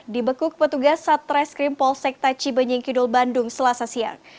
dibekuk petugas satreskrim polsek taci benyengkidul bandung selasa siang